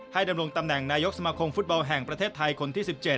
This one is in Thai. ดำรงตำแหน่งนายกสมาคมฟุตบอลแห่งประเทศไทยคนที่๑๗